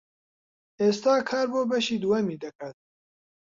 ئێستا کار بۆ بەشی دووەمی دەکات.